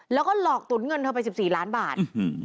แล้วก็หลอกตุ๋นเงินเธอไป๑๔ล้านบาท